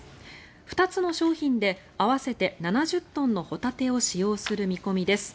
２つの商品で合わせて７０トンのホタテを使用する見込みです。